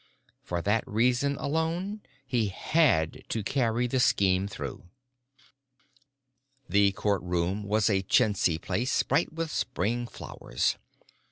For that reason alone he had to carry the scheme through. The courtroom was a chintzy place bright with spring flowers.